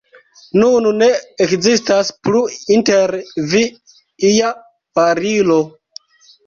Nun ne ekzistas plu inter vi ia barilo.